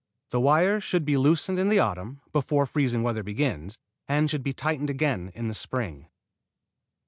The wires should be loosened in the autumn, before freezing weather begins, and should be tightened again in the spring.